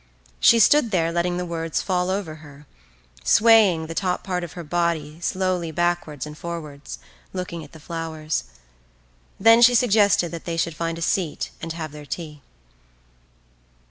She stood there letting the words fall over her, swaying the top part of her body slowly backwards and forwards, looking at the flowers. Then she suggested that they should find a seat and have their tea.